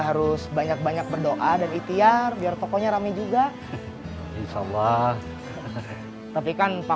terus banyak banyak berdoa dan itiar biar tokonya rame juga insyaallah tapi kan pak